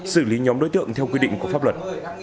xử lý nhóm đối tượng theo quy định của pháp luật